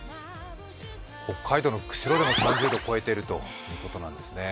北海道の釧路でも３０度超えているということなんですね。